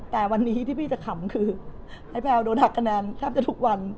แต่วันนี้ที่พี่จะขำคือไอ้แพลวโดนหักคะแนนแทบจะทุกวัน